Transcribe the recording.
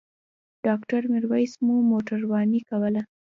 ډاکټر میرویس مو موټرواني کوله.